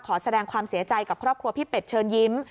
ขอแสดงความเสียใจกับครอบครัวพี่เป็ดเชิญยิ้ม